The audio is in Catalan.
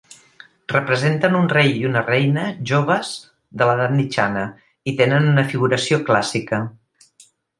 Representen un rei i una reina joves de l'edat mitjana i tenen una figuració clàssica.